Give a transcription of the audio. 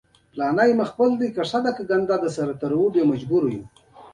هغوی یو بل ته خپه خپه کتل.